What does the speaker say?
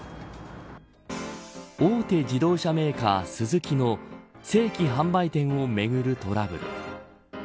大手自動車メーカー、スズキの正規販売店をめぐるトラブル。